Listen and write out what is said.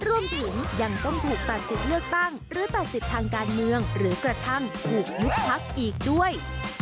รวมถึงยังต้องถูกตัดสิทธิ์เลือกตั้งหรือตัดสิทธิ์ทางการเมืองหรือกระทั่งถูกยุบพักอีกด้วย